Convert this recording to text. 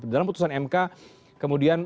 dalam putusan mk kemudian